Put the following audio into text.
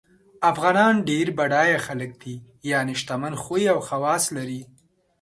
افغانان ډېر بډایه خلګ دي یعنی شتمن خوی او خواص لري